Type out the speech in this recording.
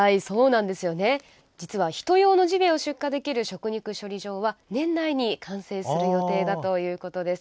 人用のジビエを出荷できる食肉処理場は年内に完成する予定だということです。